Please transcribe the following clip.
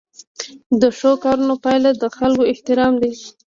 د ښو کارونو پایله د خلکو احترام دی.